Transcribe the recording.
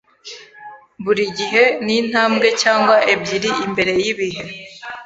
Buri gihe ni intambwe cyangwa ebyiri imbere yibihe.